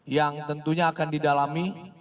yang tentunya akan didalami